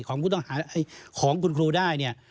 ของผู้ต้องหาของคุณครูได้เนี่ย